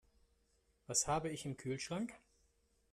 Was habe ich im Kühlschrank?